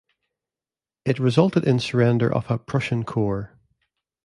It resulted in surrender of a Prussian corps.